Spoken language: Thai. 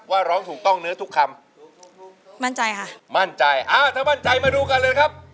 ร้องถูกต้องเนื้อทุกคำมั่นใจค่ะมั่นใจอ่าถ้ามั่นใจมาดูกันเลยครับ